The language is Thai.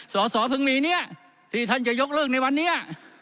สอสอพึงนี้ที่ท่านจะยกเลือกในวันนี้